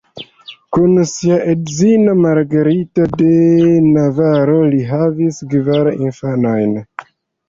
Kun sia edzino Margarita de Navaro li havis kvar infanojn.